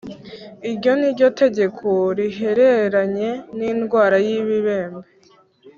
Iryo ni ryo tegeko rihereranye n indwara y ibibembe